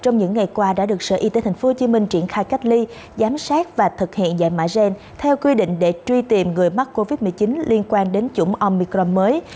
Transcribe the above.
trong những ngày qua đã được sở y tế tp hcm triển khai cách ly giám sát và thực hiện giải mã gen theo quy định để truy tìm người mắc covid một mươi chín liên quan đến chủng omicron mới